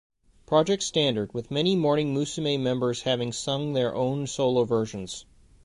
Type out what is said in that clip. Project standard, with many Morning Musume members having sung their own solo versions.